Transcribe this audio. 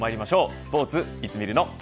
スポーツいつ見るの。